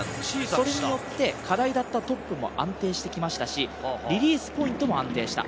それによって課題だったトップも安定してきましたし、リリースポイントも安定した。